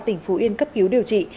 tỉnh phú yên cấp cứu điều trị